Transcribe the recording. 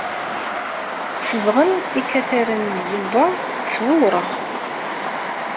Sebɣen ikataren n tzewwa s wewraɣ.